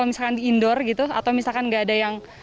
misalkan di indoor gitu atau misalkan nggak ada yang